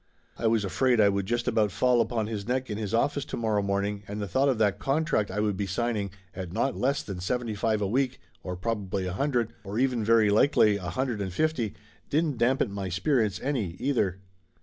I was afraid I would just about fall upon his neck in his office to morrow morning, and the thought of that contract I would be signing at not less than seventy five a week or probably a hundred, or even very likely a hundred and fifty, didn't dampen my spirits any, either.